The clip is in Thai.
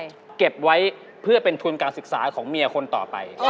เอาไปทำอะไรเก็บไว้เพื่อเป็นชุดการศึกษาของเมียคนต่อไป